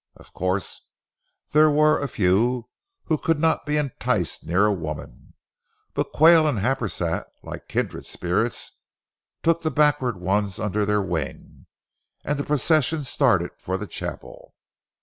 Of course, there were a few who could not be enticed near a woman, but Quayle and Happersett, like kindred spirits, took the backward ones under their wing, and the procession started for the chapel.